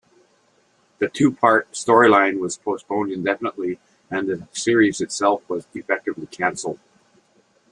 The two-part storyline was postponed indefinitely and the series itself was effectively cancelled.